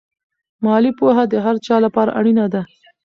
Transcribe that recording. مالي پوهه د هر چا لپاره اړینه ده.